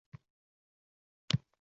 Mukarram buvim xotirasiga